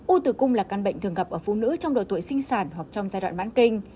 u tử cung là căn bệnh thường gặp ở phụ nữ trong độ tuổi sinh sản hoặc trong giai đoạn mãn kinh